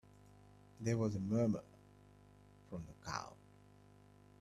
There was a murmur from the crowd.